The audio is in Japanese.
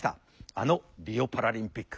あのリオパラリンピック。